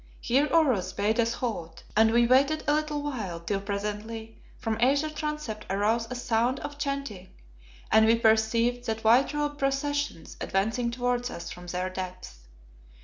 Here Oros bade us halt, and we waited a little while, till presently, from either transept arose a sound of chanting, and we perceived two white robed processions advancing towards us from their depths.